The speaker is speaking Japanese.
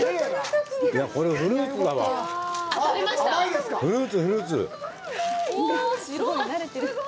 これフルーツだわ。